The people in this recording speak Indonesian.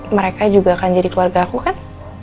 mereka juga akan jadi keluarga aku kan